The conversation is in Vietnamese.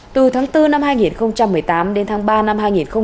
từ tháng bốn năm hai nghìn một mươi tám đến tháng ba năm hai nghìn một mươi chín